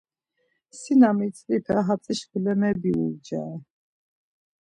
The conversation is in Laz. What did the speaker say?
Si na mitzvipe hatzi şkule mebiucare.